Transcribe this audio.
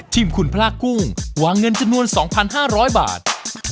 ทีมคุณพระกุ้งวางเงินจำนวน๒๕๐๐บาท